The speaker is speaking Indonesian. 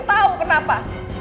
aku tau kenapa